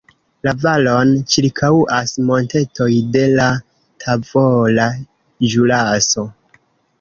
La valon ĉirkaŭas montetoj de la Tavola Ĵuraso.